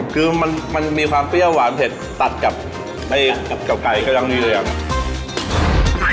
คือมันมีความเปรี้ยวหวานเผ็ดตัดกับไก่ก๋อย่างนี้เลยอะ